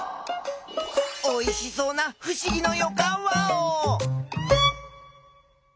おいしそうなふしぎのよかんワオ！